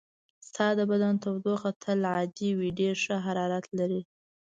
ستا د بدن تودوخه تل عادي وي، ډېر ښه حرارت لرې.